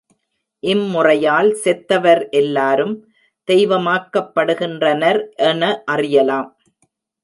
இம்முறையால், செத்தவர் எல்லாரும் தெய்வமாக்கப்படுகின்றனர் என அறியலாம்.